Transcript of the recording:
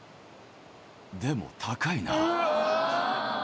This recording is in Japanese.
でも高いな。